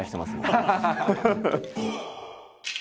ハハハハ！